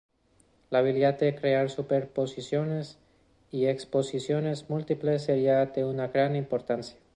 La habilidad de crear superposiciones y exposiciones múltiples sería de una gran importancia.